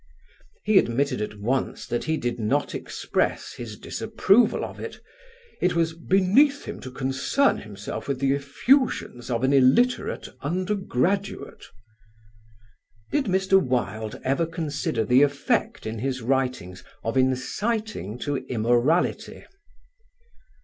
He admitted at once that he did not express his disapproval of it; it was "beneath him to concern himself with the effusions of an illiterate undergraduate." "Did Mr. Wilde ever consider the effect in his writings of inciting to immorality?"